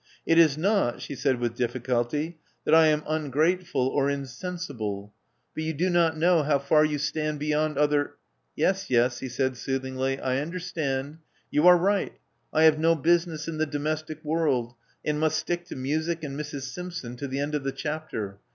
"It is not," she said with difficulty, "that I am ungrateful or insen Love Among the Artists 265 sible. But you do not know how far you stand beyond other '* Yes, yes," he said soothingly. I understand. You are right: I have no business in the domestic world, and must stick to music and Mrs. Simpson to the end of the chapter.